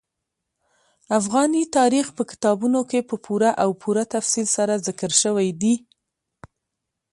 افغاني تاریخ په کتابونو کې په پوره او پوره تفصیل سره ذکر شوی دي.